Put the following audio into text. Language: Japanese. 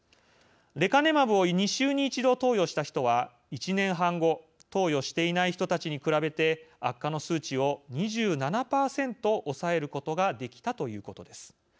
レカネマブを２週に一度投与した人は１年半後投与していない人たちに比べて悪化の数値を２７％抑えることができたということです。